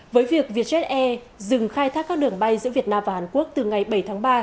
với việc vietjet air dừng khai thác các đường bay giữa việt nam và hàn quốc từ ngày bảy tháng ba